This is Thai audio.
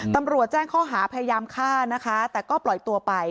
ตำรวจแจ้งข้อหาพยายามฆ่านะคะแต่ก็ปล่อยตัวไป